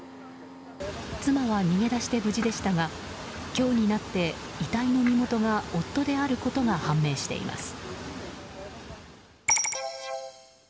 妻は逃げ出して無事でしたが今日になって遺体の身元が夫であることが判明しています。